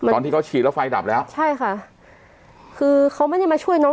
ตอนที่เขาฉีดแล้วไฟดับแล้วใช่ค่ะคือเขาไม่ได้มาช่วยน้อง